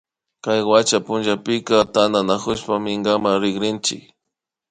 Kay wacha punchapimi tantanakushpa minkaman rikrinchi